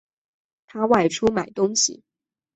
他外出买东西